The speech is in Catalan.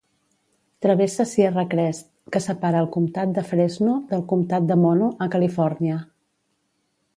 Travessa Sierra Crest que separa el comtat de Fresno del comtat de Mono, a Califòrnia.